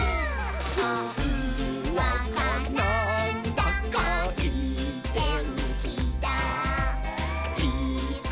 「ほんわかなんだかいいてんきだいいことありそうだ！」